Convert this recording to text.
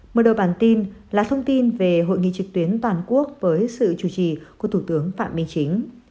mở đầu bản tin là thông tin về hội nghị trực tuyến toàn quốc với sự chủ trì của thủ tướng phạm minh chính